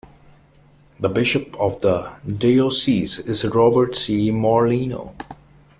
The bishop of the diocese is Robert C. Morlino.